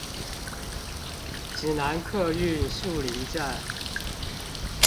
指南客運樹林站